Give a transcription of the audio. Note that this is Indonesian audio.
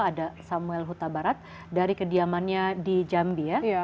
ada samuel huta barat dari kediamannya di jambi ya